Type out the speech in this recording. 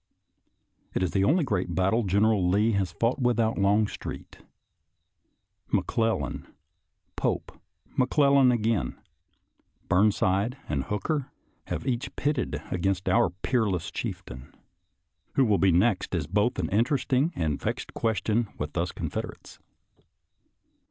It is the only great battle General Lee has fought without Longstreet. McClellan, Pope, McClellan again, Burnside, and Hooker have each been pitted against our peerless chief tain. Who will be the next is both an interest ing and vexed question with us Confederates.